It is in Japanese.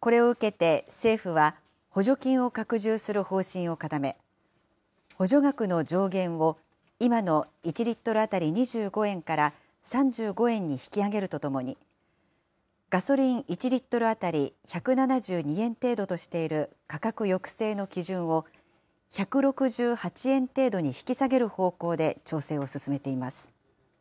これを受けて政府は、補助金を拡充する方針を固め、補助額の上限を今の１リットル当たり２５円から３５円に引き上げるとともに、ガソリン１リットル当たり１７２円程度としている価格抑制の基準を１６８円程度に引き下げる方向で調整を進めています。